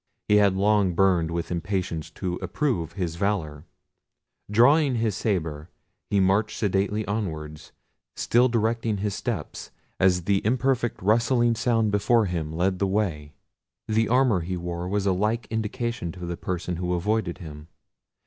He had long burned with impatience to approve his valour. Drawing his sabre, he marched sedately onwards, still directing his steps as the imperfect rustling sound before him led the way. The armour he wore was a like indication to the person who avoided him.